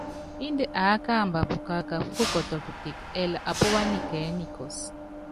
Índɛ aá kamba pukaká púkukɔtɔ kuteke, ɛɛli apúwá nikɛɛ́ nikɔs.